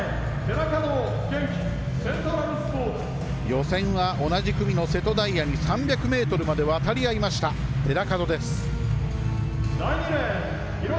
予選は同じ組の瀬戸大也に３００ｍまで渡り合いました、寺門です。